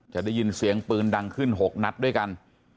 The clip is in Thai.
จะได้ยินเสียงปืนดังขึ้น๖นัดด้วยกัน